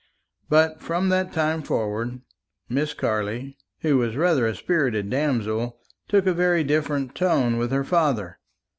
But from that time forward Miss Carley, who was rather a spirited damsel, took a very different tone with her father.